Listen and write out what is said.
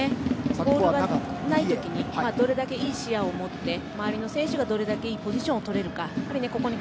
ボールがない時にどれだけいい視野を持って周りの選手がどれだけいいポジションをとれるか。